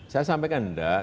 saya sampaikan enggak